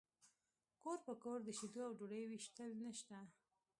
کور په کور د شیدو او ډوډۍ ویشل نشته